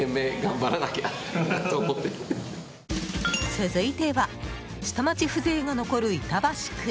続いては下町風情が残る板橋区。